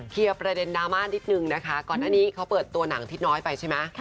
ประเด็นดราม่านิดนึงนะคะก่อนหน้านี้เขาเปิดตัวหนังทิศน้อยไปใช่ไหม